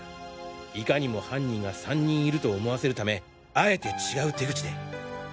いかにも犯人が３人いると思わせるためあえて違う手口で。